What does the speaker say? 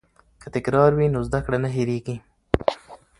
که تکرار وي نو زده کړه نه هیریږي.